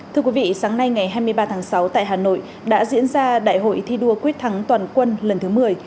thưa quý vị sáng nay ngày hai mươi ba tháng sáu tại hà nội đã diễn ra đại hội thi đua quyết thắng toàn quân lần thứ một mươi